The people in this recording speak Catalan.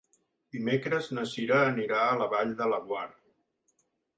Dimecres na Cira anirà a la Vall de Laguar.